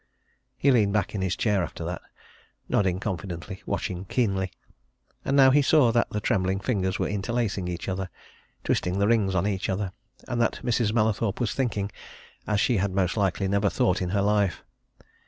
He leaned back in his chair after that nodding confidently, watching keenly. And now he saw that the trembling fingers were interlacing each other, twisting the rings on each other, and that Mrs. Mallathorpe was thinking as she had most likely never thought in her life.